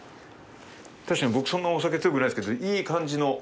確かに僕そんなお酒強くないですけどいい感じの。